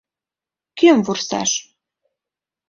КӦМ ВУРСАШ?